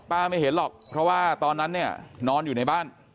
ไม่เห็นหรอกเพราะว่าตอนนั้นเนี่ยนอนอยู่ในบ้าน